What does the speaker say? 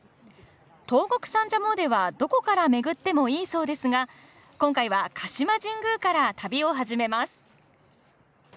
東国三社詣は、どこから巡ってもいいそうですが今回は鹿島神宮から旅を始めます。